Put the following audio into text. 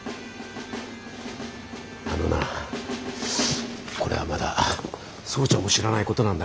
あのなこれはまだ総長も知らないことなんだが。